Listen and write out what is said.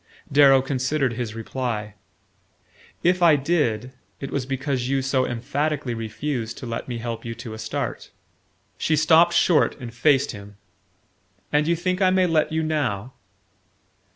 Darrow considered his reply. "If I did, it was because you so emphatically refused to let me help you to a start." She stopped short and faced him "And you think I may let you now?"